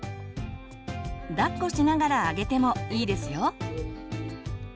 抱っこしながらあげてもいいですよ。